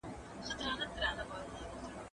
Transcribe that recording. هغه سیاره چې موږ پکې اوسېږو ځمکه ده.